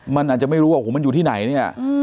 มันอาจจะไม่รู้ว่ามันอยู่ที่ไหนเนี่ย